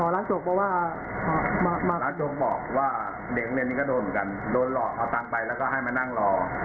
ร้านโจ๊กบอกร้านโจ๊กบอกว่าเด็กนักเรียนนี้ก็โดนเหมือนกันโดนหลอกเอาเงินไปแล้วก็ให้มานั่งรอ